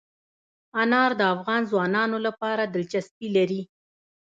انار د افغان ځوانانو لپاره دلچسپي لري.